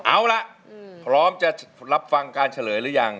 เอาล่ะพร้อมจะรับฟังการเฉลยหรือยัง